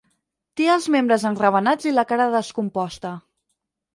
Té els membres enravenats i la cara descomposta.